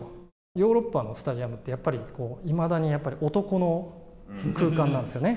ヨーロッパのスタジアムってやっぱり、いまだに男の空間なんですよね。